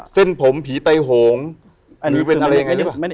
เส้นผมผีไตหงหรือเป็นอะไรยังไง